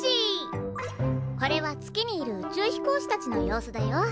これは月にいる宇宙飛行士たちの様子だよ。